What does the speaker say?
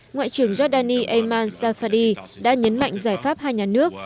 ngoại trưởng giọc đan nhi eymar zafadi đã nhấn mạnh giải pháp hai nhà nước